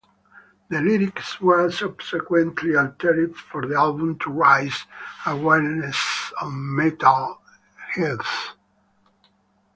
The lyrics were subsequently altered for the album to raise awareness on mental health.